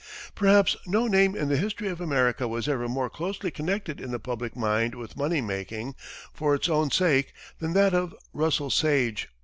Perhaps no name in the history of America was ever more closely connected in the public mind with money making for its own sake than that of Russell Sage.